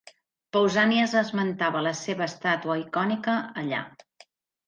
Pausànies esmentava la seva estàtua icònica allà.